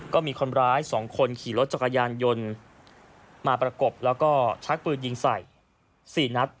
ก็มีคนร้าย๒คนขี่รถจักรยานยนต์มาประกบแล้วก็ชักปืนยิงใส่๔นัด